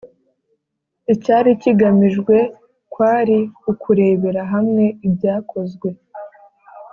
Icyari kigamijwe kwari ukurebera hamwe ibyakozwe